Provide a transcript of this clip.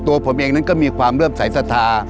ตัวผมเองก็มีความเริ่มสายสะท้า